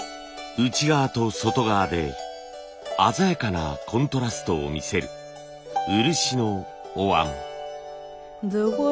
内側と外側で鮮やかなコントラストを見せる漆のお椀。